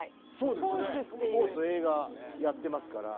スポーツ映画やってますから。